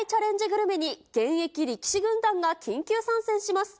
グルメに現役力士軍団が緊急参戦します。